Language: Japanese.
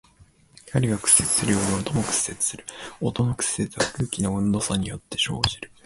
光が屈折するように音も屈折する。音の屈折は空気の温度差によって生じる。